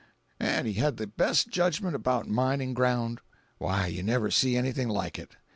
An' he had the best judgment about mining ground—why you never see anything like it.